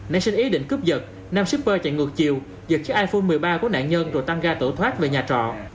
nảy sinh ý định cướp giật nam shipper chạy ngược chiều giật chiếc iphone một mươi ba của nạn nhân rồi tăng ga tẩu thoát về nhà trọ